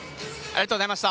ありがとうございます。